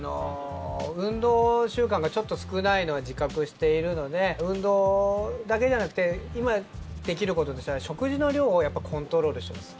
運動習慣がちょっと少ないのは自覚しているので運動だけじゃなくて今、できることとしたら食事の量をコントロールしてます。